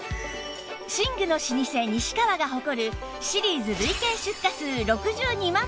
寝具の老舗西川が誇るシリーズ累計出荷数６２万